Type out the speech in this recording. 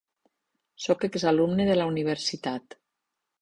Sóc exalumne de la universitat.